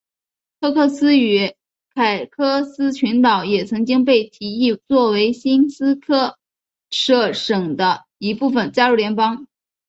特克斯与凯科斯群岛也曾经被提议作为新斯科舍省的一部分加入联邦。